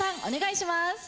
お願いします。